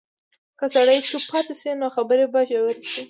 که سړی چوپ پاتې شي، نو خبرې به ژورې شي.